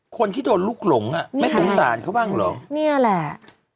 คนที่โดนลุกหลงอ่ะไม่สงสารเขาบ้างเหรอเนี่ยแหละ